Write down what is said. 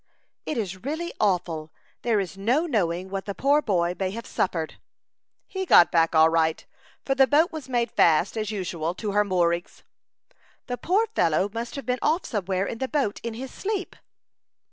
"It is really awful. There is no knowing what the poor boy may have suffered." "He got back all right, for the boat was made fast, as usual, to her moorings." "The poor fellow must have been off somewhere in the boat, in his sleep."